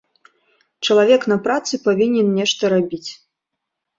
Чалавек на працы павінен нешта рабіць.